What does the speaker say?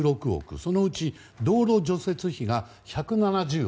そのうち道路除雪費が１７０億。